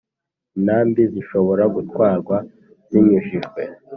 Intambi zishobora gutwarwa zinyujijwe